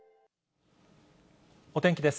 お天気です。